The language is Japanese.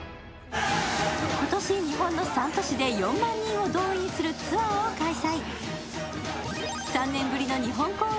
今年日本の３都市で４万人を動員するツアーを開催。